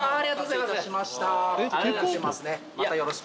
ありがとうございます。